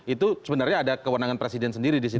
itu sebenarnya ada kewenangan presiden sendiri disitu